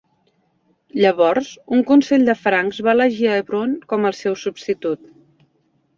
Llavors, un consell de Francs va elegir Ebroin com al seu substitut.